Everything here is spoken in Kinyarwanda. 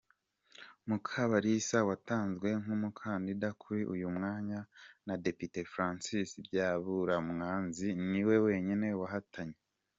Mukabalisa watanzwe nk’umukandida kuri uyu mwanya na Depite François Byabarumwanzi niwe wenyine wahatanye.